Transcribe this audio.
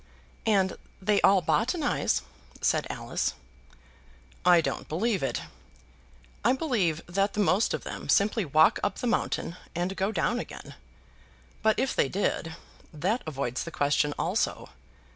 "And they all botanize," said Alice. "I don't believe it. I believe that the most of them simply walk up the mountain and down again. But if they did, that avoids the question also.